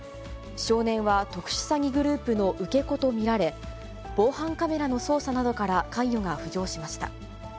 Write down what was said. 少年は特殊詐欺グループの受け子と見られ、防犯カメラの捜査などから関与が浮上しました。